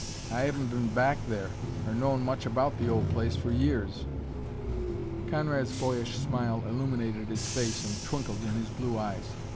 I haven't been back there, or known much about the old place, for years." Conrad's boyish smile illuminated his face and twinkled in his blue eyes.